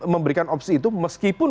memberikan opsi itu